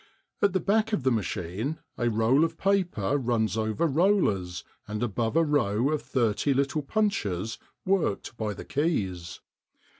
At the back of the machine a roll of paper runs over rollers and above a row of thirty little punches worked by the keys.